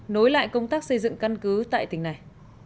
nối lại công tác xây dựng căn cứ tại tỉnh này